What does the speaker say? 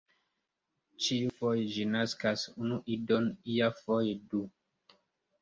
Ĉiufoje ĝi naskas unu idon, iafoje du.